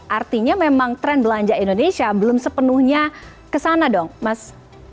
artinya memang tren belanja indonesia belum sepenuhnya kesana dong mas